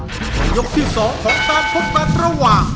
คือในยกที่๒ของการพบกันระหว่าง